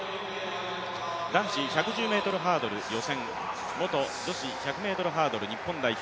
男子１１０ｍハードル予選元女子１００ｍハードル日本代表